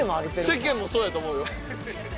世間もそうやと思うよ。